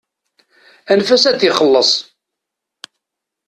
Anef-as ad t-ixelleṣ.